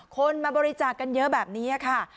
คนมาบริจาคกันเยอะแบบนี้ค่ะ